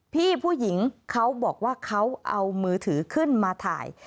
พี่ผู้หญิงเขาบอกว่าเขาเอามือถือขึ้นมาถ่าย